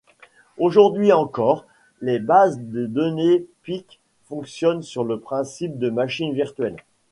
Aujourd'hui encore, les bases de données Pick fonctionnent sur le principe de machine virtuelle.